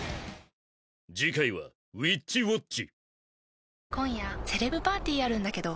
次回は「ウィッチウォッチ」！